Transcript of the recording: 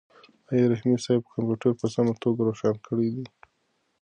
آیا رحیمي صیب کمپیوټر په سمه توګه روښانه کړی دی؟